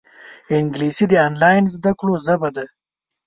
انګلیسي د آنلاین زده کړو ژبه ده